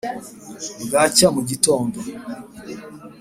bwacya mu gitondo